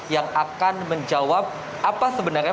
yang akan menjawab apa sebenarnya